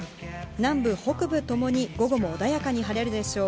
南部、北部ともに午後も穏かに晴れるでしょう。